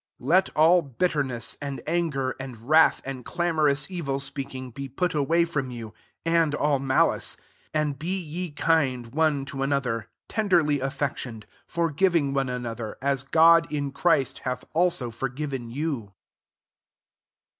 31 Let aH bitterness, and anger, and wrath, and clamour ous evil speaking, be put away from you, and all malice : 32 and be ye kind one to another, tenderly affectioned, forgiving one another, as Gk>d in Christ, hath also forgiven you.